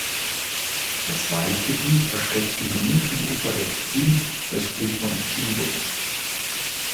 Das Waldgebiet erstreckt sich am linken Ufer des Tweed östlich von Peebles.